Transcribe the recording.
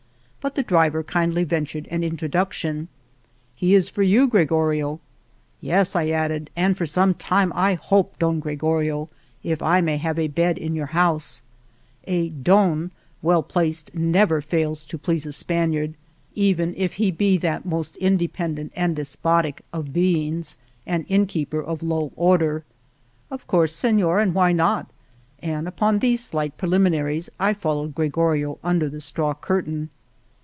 But the driver kindly vent ured an introduction, He is for you, Gre gorio." Yes," I added, and for some time, I hope, Don Gregorio, if I may have a bed in your house." A don " well placed never fails to please a Spaniard, even if he be that most independent and despotic of beings — 17 Argamasilla an inn keeper of low order. Of course, Senor, and why not ?" and upon these slight preliminaries I followed Gregorio under the straw curtain.